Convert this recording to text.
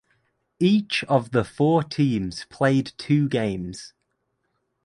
Each of the four teams played two games.